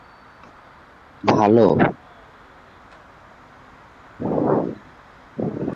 এক্ষেত্রে শিকার তার আশপাশের সবকিছুই গ্রহণ করে ফেলে, যেসব পদার্থ বর্জনীয় সেগুলো বর্জন করে।